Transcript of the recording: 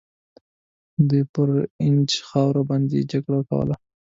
دوی پر هر اینچ خاوره باندي جګړه کوله.